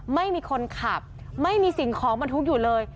ไม่มีคนขับไม่มีสิ่งของบรรทุกอยู่เลย